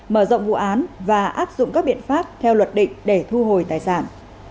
mở rộng vụ án và áp dụng các biện pháp theo luật định để thu hồi tài sản